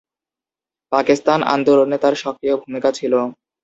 পাকিস্তান আন্দোলনে তাঁর সক্রিয় ভূমিকা ছিল।